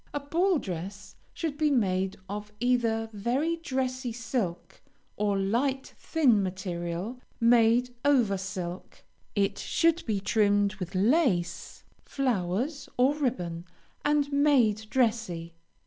A ball dress should be made of either very dressy silk, or light, thin material made over silk. It should be trimmed with lace, flowers, or ribbon, and made dressy.